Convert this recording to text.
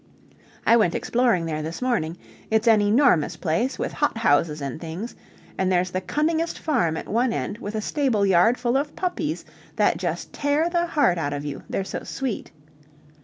I went exploring there this morning. It's an enormous place, with hot houses and things, and there's the cunningest farm at one end with a stable yard full of puppies that just tear the heart out of you, they're so sweet.